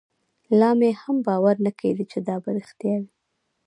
لا مې هم باور نه کېده چې دا به رښتيا وي.